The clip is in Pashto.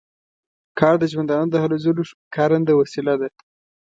کار د ژوندانه د هلو ځلو کارنده وسیله ده.